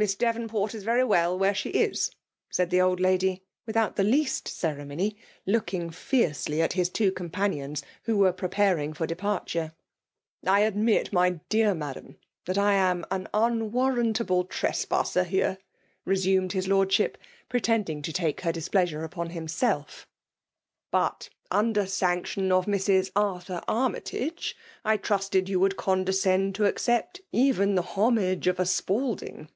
" Miss Devonport is very well where she is/* said the old lady, without the least cere mony ; looking fiercely at his two companionfi who were preparing for departure. I admit, my dear madam, that I am an unwarrantable trespasser here,'* resumed his Lordship, pretending to take her displeasure upon himself '* But, under the sanction of Mrs* Arthur Annytagc, I trusted you would con descend to accept even the homage of a Spal FEM/ILE DOmifATION. 267 ding.